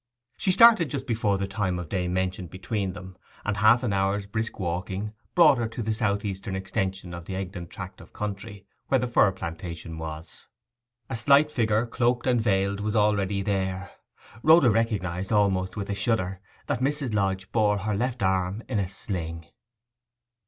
She started just before the time of day mentioned between them, and half an hour's brisk walking brought her to the south eastern extension of the Egdon tract of country, where the fir plantation was. A slight figure, cloaked and veiled, was already there. Rhoda recognized, almost with a shudder, that Mrs. Lodge bore her left arm in a sling.